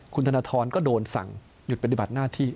คุณธนทรก็โดนสั่งหยุดปฏิบัติหน้าที่